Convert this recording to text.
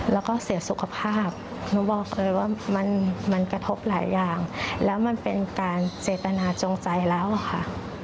แล้วก็เสียสุขภาพหนูบอกเลยว่ามันกระทบหลายอย่างแล้วมันเป็นการเจตนาจงใจแล้วอะค่ะ